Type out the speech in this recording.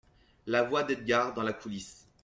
La voix d’Edgard , dans la coulisse.